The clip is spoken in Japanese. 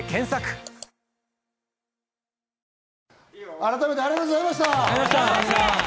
改めて、ありがとうございました。